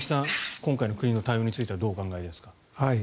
今回の国の対応についてはどうお考えですか？